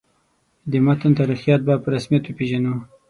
د متن تاریخیت به په رسمیت وپېژنو.